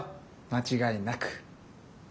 間違いなく。